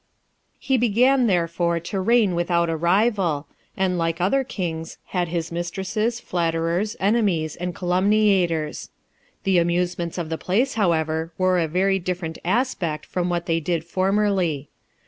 He began therefore to reign without a rival, and like other kings had his mistresses, flatterers, enemies, and calumniators. The amusements of the place, however, wore a very different aspect from what they did formerly.